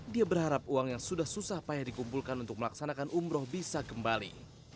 dia berharap uang yang sudah susah payah dikumpulkan untuk melaksanakan umroh bisa kembali